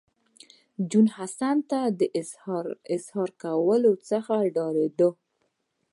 جون حسن ته د اظهار کولو څخه ډارېده